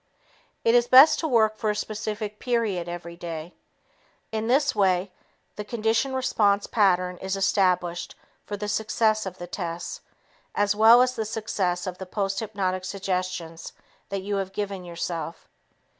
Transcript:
It is best to work for a specific period every day. In this way, the conditioned response pattern is established for the success of the tests as well as the success of the posthypnotic suggestions that you have given yourself.